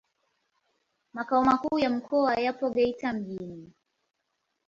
Makao makuu ya mkoa yapo Geita mjini.